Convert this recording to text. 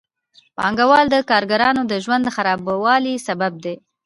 پانګوال د کارګرانو د ژوند د خرابوالي سبب دي